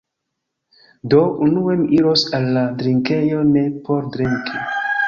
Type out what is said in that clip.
Do, unue mi iros al la drinkejo ne por drinki